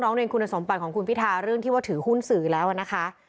เรียนคุณสมบัติของคุณพิทาเรื่องที่ว่าถือหุ้นสื่อแล้วนะคะ